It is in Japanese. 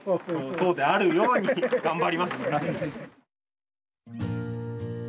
そうであるように頑張ります。